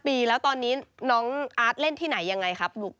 ปีแล้วตอนนี้น้องอาร์ตเล่นที่ไหนยังไงครับ